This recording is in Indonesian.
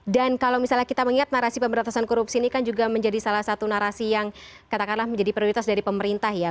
dan kalau misalnya kita mengingat narasi pemberantasan korupsi ini kan juga menjadi salah satu narasi yang katakanlah menjadi prioritas dari pemerintah ya